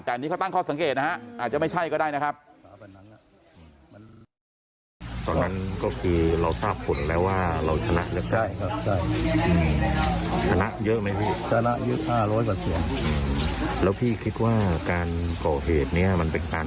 แต่อันนี้เขาตั้งข้อสังเกตนะฮะอาจจะไม่ใช่ก็ได้นะครับ